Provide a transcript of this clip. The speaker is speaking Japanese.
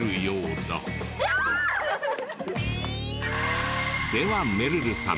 ではめるるさん